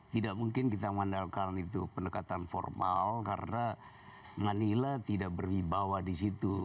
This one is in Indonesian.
tidak mungkin kita mandalkan itu pendekatan formal karena manila tidak berwibawa di situ